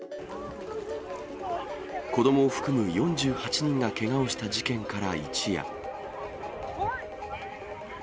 子どもを含む４８人がけがをした事件から一夜。